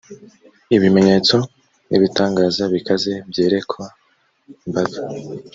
ibimenyetso n’ibitangaza bikaze byerekwa imbaga